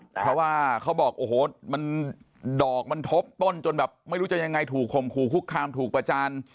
เพราะว่าเขาบอกโอ้โหมันดอกมันทบต้นจนแบบไม่รู้จะยังไงถูกข่มขู่คุกคามถูกประจาน